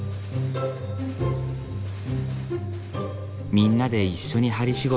みんなで一緒に針仕事。